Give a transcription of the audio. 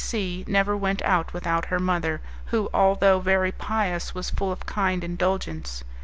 C C never went out without her mother who, although very pious, was full of kind indulgence.